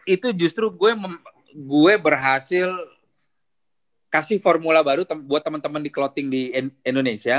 itu justru gue berhasil kasih formula baru buat temen temen di kloting di indonesia